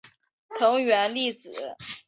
藤原丽子